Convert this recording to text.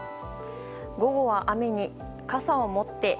午後は雨に、傘を持って。